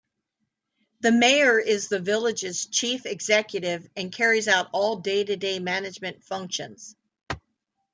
The mayor is the village's chief executive and carries out all day-to-day management functions.